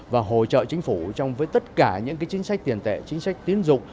và hỗ trợ chính phủ trong với tất cả những chính sách tiền tệ chính sách tiến dụng